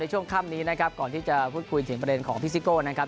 ช่วงค่ำนี้นะครับก่อนที่จะพูดคุยถึงประเด็นของพี่ซิโก้นะครับ